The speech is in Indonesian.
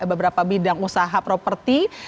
beberapa bidang usaha property